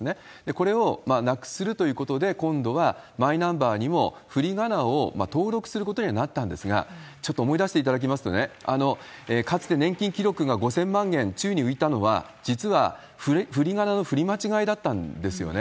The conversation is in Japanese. これをなくするということで、今度はマイナンバーにもふりがなを登録することにはなったんですが、ちょっと思い出していただきますと、かつて年金記録が５０００万円宙に浮いたのは、実はふりがなのふり間違いだったんですよね。